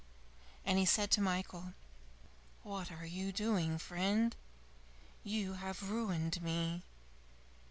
And he said to Michael, "What are you doing, friend? You have ruined me!